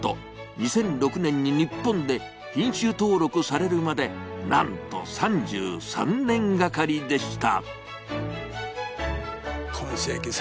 ２００６年に日本で品種登録されるまで、なんと３３年がかりでした。